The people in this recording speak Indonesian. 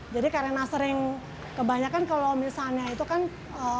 jadi karena sering kebanyakan kalau misalnya itu kan orang kan ngomongnya